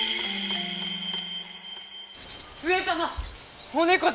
・上様！